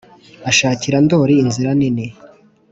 ashakira ndori inzira nini